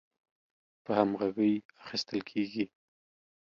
په همغږۍ اخیستل کیږي